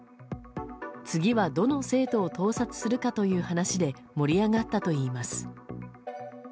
次はどの生徒を盗撮するかという話で盛り上がったといいます。